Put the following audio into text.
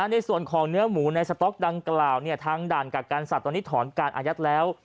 ในส่วนของเนื้อหมูในสต๊อกดังกล่าวทางด่านกักกันสัตว์ตอนนี้ถอนการอายัดแล้ว